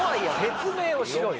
説明をしろよ。